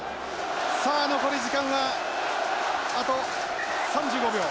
さあ残りは時間はあと３５秒。